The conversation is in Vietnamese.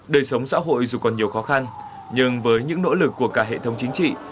đời sống xã hội dù còn nhiều khó khăn nhưng với những nỗ lực của cả hệ thống chính trị